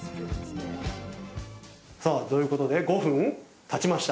さあという事で５分経ちました。